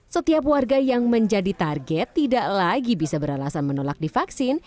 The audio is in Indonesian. setiap warga yang menjadi target tidak lagi bisa beralasan menolak divaksin